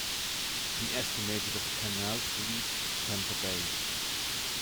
The estimated of canals lead to Tampa Bay.